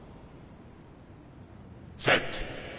「セット」。